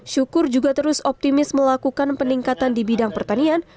syukur juga terus optimis melakukan peningkatan di bidang pertanian